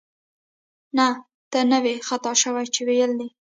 نه، ته نه وې خطا شوې چې ویل دې